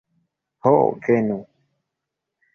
Ho venu!